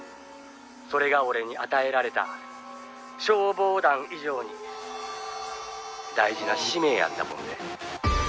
「それが俺に与えられた消防団以上に大事な使命やったもんで」